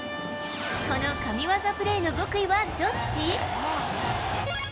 この神技プレーの極意はどっち？